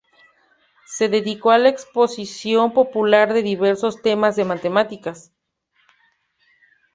Se dedicó a la exposición popular de diversos temas de matemáticas.